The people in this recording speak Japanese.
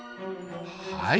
はい。